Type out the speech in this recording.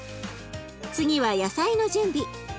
次は野菜の準備。